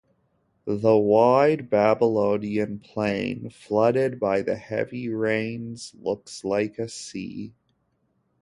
The wide Babylonian plain, flooded by the heavy rains, looks like a sea.